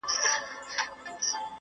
o غم پسې جالې گرځي، غڼ پسي مالې گرځي٫